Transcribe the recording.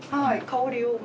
香りを。